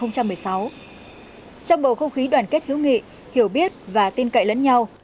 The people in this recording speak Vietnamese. trong bầu không khí đoàn kết hữu nghị hiểu biết và tin cậy lẫn nhau